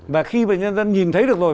và khi mà nhân dân nhìn thấy được rồi